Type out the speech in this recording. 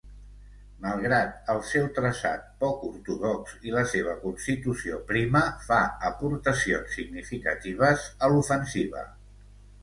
Malgrat el seu traçat poc ortodox i la seva constitució prima, fa aportacions significatives a l'ofensiva.